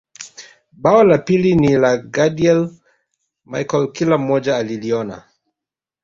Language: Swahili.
Bao la pili ni la Gadiel Michael kila mmoja aliliona